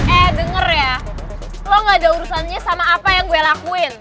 eh denger ya lo gak ada urusannya sama apa yang gue lakuin